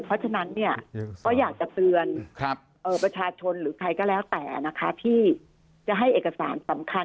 เพราะฉะนั้นก็อยากจะเตือนประชาชนหรือใครก็แล้วแต่นะคะที่จะให้เอกสารสำคัญ